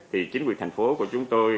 thì chính quyền thành phố của chúng tôi